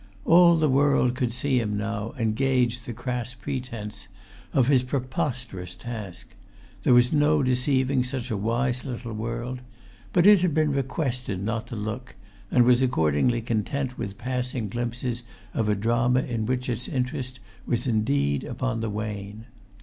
All the world could see him now, and gauge the crass pretence of his preposterous task; there was no deceiving such a wise little world; but it had been requested not to look, and was accordingly content with passing glimpses of a drama in which its interest was indeed upon the wane.